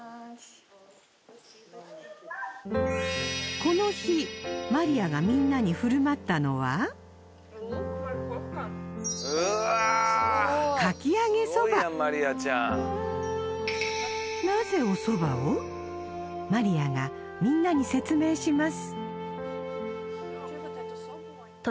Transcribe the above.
この日マリアがみんなに振る舞ったのはマリアがみんなに説明します